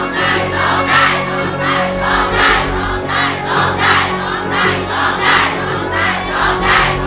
โทษให้โทษให้โทษให้โทษให้โทษให้